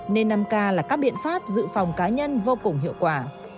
nên năm k là các biện pháp dự phòng cá nhân vô cùng hiệu quả